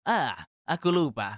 ah aku lupa